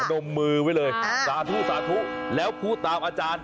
ดมมือไว้เลยสาธุแล้วคู่ตามอาจารย์